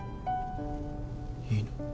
いいの？